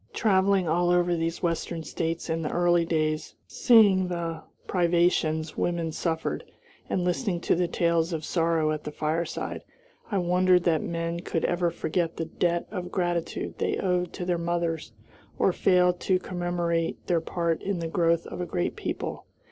Traveling all over these Western States in the early days, seeing the privations women suffered, and listening to the tales of sorrow at the fireside, I wondered that men could ever forget the debt of gratitude they owed to their mothers, or fail to commemorate their part in the growth of a great people.